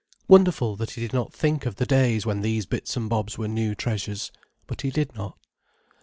Wonderful that he did not think of the days when these bits and bobs were new treasures. But he did not.